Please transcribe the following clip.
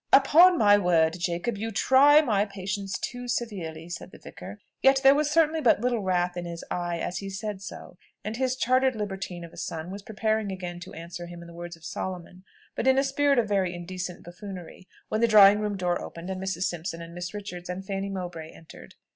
"Upon my word, Jacob, you try my patience too severely," said the vicar; yet there was certainly but little wrath in his eye as he said so, and his chartered libertine of a son was preparing again to answer him in the words of Solomon, but in a spirit of very indecent buffoonery, when the drawing room door opened, and Mrs. Simpson, Miss Richards, and Fanny Mowbray entered.